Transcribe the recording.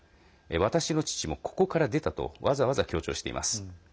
私の父も、ここから出たとわざわざ強調しています。